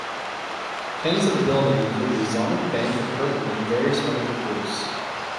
Tenants of the building include the Islamic Bank of Britain and various medical groups.